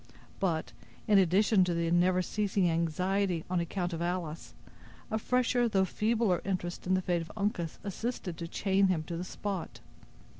But, in addition to the never ceasing anxiety on account of Alice, a fresher though feebler interest in the fate of Uncas assisted to chain him to the spot.